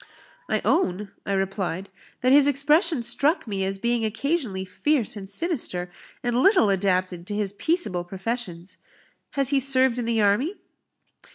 "I own," I replied, "that his expression struck me as being occasionally fierce and sinister, and little adapted to his peaceable professions. Has he served in the army?"